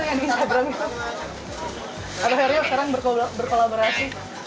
atau herio sekarang berkolaborasi